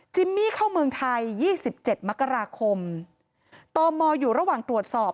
มี่เข้าเมืองไทย๒๗มกราคมตมอยู่ระหว่างตรวจสอบ